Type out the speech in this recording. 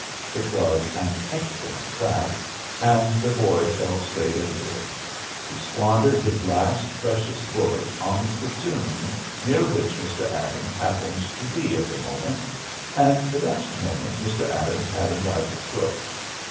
It was an excellent trap, and the boy fell straight into it. He squandered his last precious bullet on the spittoon near which Mr. Adams happened to be at the moment, and the next moment Mr. Adams had him by the throat.